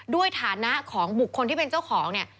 ด้วยฐานะของบุคคลที่เป็นเจ้าของ